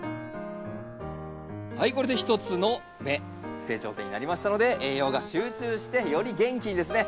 はいこれで一つの芽成長点になりましたので栄養が集中してより元気にですね